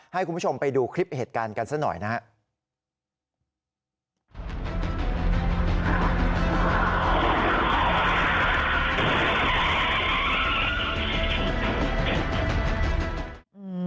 ให้คุณผู้ชมไปดูคลิปเหตุการณ์กันซะหน่อยนะครับ